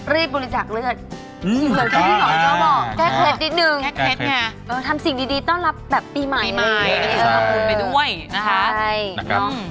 เรียบบริจาคเลยแค่เทศนี่ทำสิ่งดีต้องรับแบบปีใหม่ก็ถือขอบคุณไปด้วยนะครับ